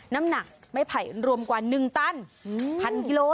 น้ำหนักไม่ไผ่รวมกว่า๑ตัน๑๐๐กิโล